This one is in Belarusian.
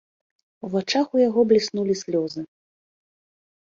У вачах у яго бліснулі слёзы.